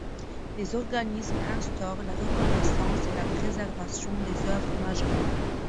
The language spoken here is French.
Des organismes instaurent la reconnaissance et la préservation des œuvres majeures.